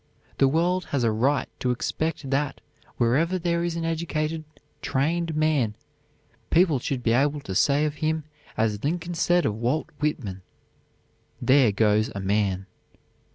The world has a right to expect that wherever there is an educated, trained man people should be able to say of him as Lincoln said of Walt Whitman, "There goes a man."